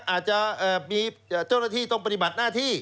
อาจจะมีเจ้าหน้าที่ต้องปฏิบัติหน้าที่